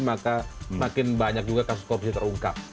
maka makin banyak juga kasus korupsi terungkap